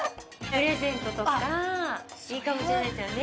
プレゼントとかいいかもしれないですよね。